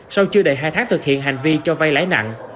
sau chưa đầy hai tháng thực hiện hành vi cho vay lãi nặng